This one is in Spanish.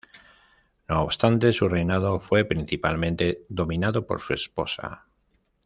No obstante, su reinado fue principalmente dominado por su esposa.